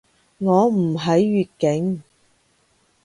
我唔喺粵境